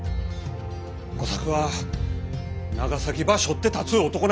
吾作は長崎ばしょって立つ男なんです！